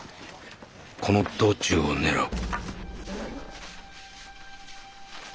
この道中を狙う。